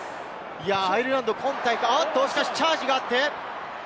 アイルランド、今大会、しかしチャージがありました。